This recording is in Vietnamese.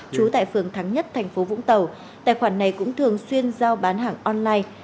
trú tại phường thắng nhất thành phố vũng tàu tài khoản này cũng thường xuyên giao bán hàng online